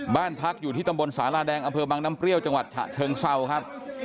บ้านพักอยู่ที่ตำบลสาราแดงอำเภอบังน้ำเปรี้ยวจังหวัดฉะเชิงเศร้าครับ